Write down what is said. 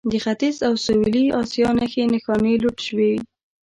د ختیځ او سویلي اسیا نښې نښانې لوټ شوي.